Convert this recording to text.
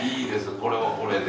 これはこれで。